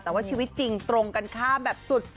แต่ว่าชีวิตจริงตรงกันข้ามแบบสุด